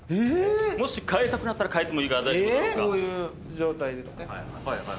もし変えたくなったら変えてもいいが大丈夫だろうか。